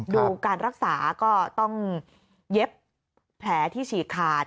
ดูการรักษาก็ต้องเย็บแผลที่ฉีกขาด